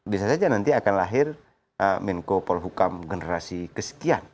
bisa saja nanti akan lahir menko polhukam generasi kesekian